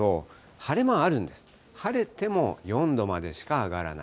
晴れても４度までしか上がらない。